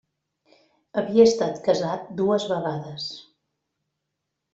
Havia estat casat dues vegades.